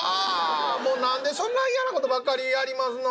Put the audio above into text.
もう何でそんな嫌な事ばっかり言いやりますのん？